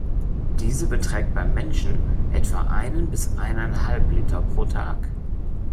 Diese beträgt beim Menschen etwa einen bis eineinhalb Liter pro Tag.